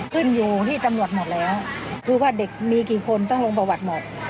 ขึ้นอยู่ที่ตำรวจหมดแล้วคือว่าเด็กมีกี่คนต้องลงประวัติหมด